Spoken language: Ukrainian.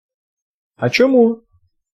А чому?